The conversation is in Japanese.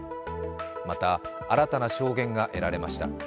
また、新たな証言が得られました。